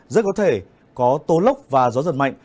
rất có thể có tô lốc và gió giật mạnh